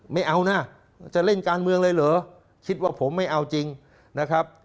ไม่เอานะจะเล่นการเมืองเลยเหรอคิดว่าผมไม่เอาจริงนะครับ